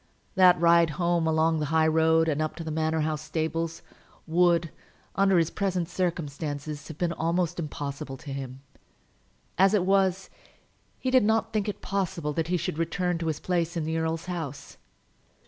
That ride home along the high road and up to the Manor House stables would, under his present circumstances, have been almost impossible to him. As it was, he did not think it possible that he should return to his place in the earl's house.